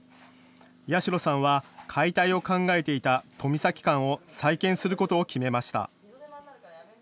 八代さんは解体を考えていた富崎館を再建することを決めました。